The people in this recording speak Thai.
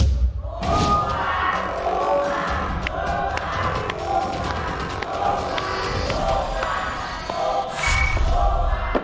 ถูกกว่า